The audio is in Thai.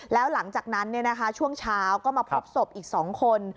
แล้วหลังจากนั้นช่วงเช้าก็มาพบศพอีก๒คน